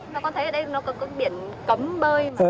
mà con thấy ở đây nó có biển cấm bơi